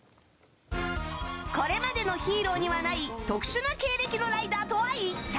これまでのヒーローにはない特殊な経歴のライダーとは一体？